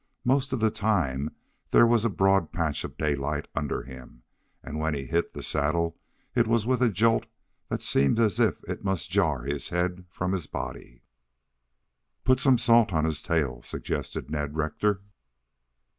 Most of the time there was a broad patch of daylight under him, and when he hit the saddle it was with a jolt that seemed as if it must jar his head from his body. "Put some salt on his tail," suggested Ned Rector.